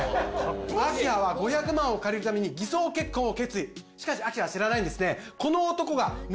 明葉は５００万を借りるために偽装結婚を決意しかし明葉は知らないんですね